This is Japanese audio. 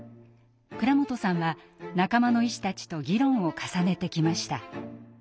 蔵本さんは仲間の医師たちと議論を重ねてきました。